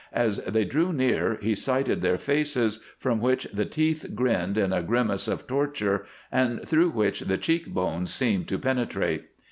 As they drew near he sighted their faces, from which the teeth grinned in a grimace of torture and through which the cheek bones seemed to penetrate.